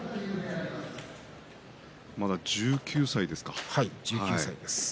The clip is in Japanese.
まだ１９歳ですか。